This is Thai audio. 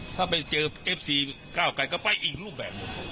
ถ้าไปเจอเอฟซีก้าวไกลก็ไปอีกรูปแบบหนึ่ง